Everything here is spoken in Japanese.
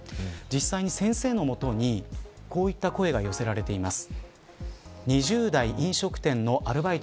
実際に先生のもとにこういった声が寄せられています。